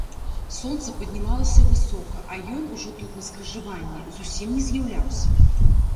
Сонца паднімалася высока, а ён ужо тут на скрыжаванні зусім не з'яўляўся.